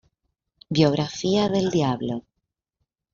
Biografía del Diablo".